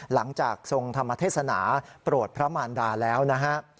หลังจากทรงธรรมเทศนาโปรดพระมารดาแล้วนะฮะ